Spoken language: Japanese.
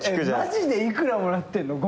マジで幾らもらってんの？